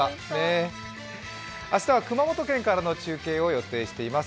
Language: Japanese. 明日は熊本県からの中継を予定しています。